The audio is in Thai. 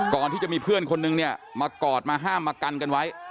ก่อนที่จะมีเพื่อนคนนึงเนี่ยมากอดมาห้ามมากันกันไว้